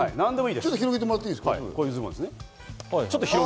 ちょっと広げてもらってもいいですか？